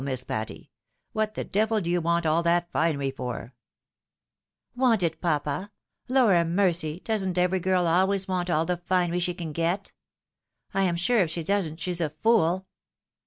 Miss Patty ! What the devil do you want all that finery for ?"" Want it, papa ? Lor a mercy, doesn't every girl always want all the finery she can get ? I am sure if she doesn't she's a fool.